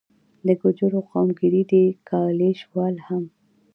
د ګوجرو قوم ګیري دي، ګالیش وال هم